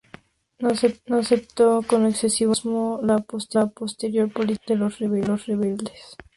No aceptó con excesivo entusiasmo la posterior política de los rebeldes.